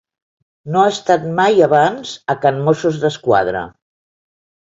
No ha estat mai abans a can Mossos d'Esquadra.